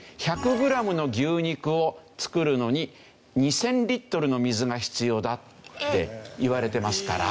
１００グラムの牛肉を作るのに２０００リットルの水が必要だっていわれてますから。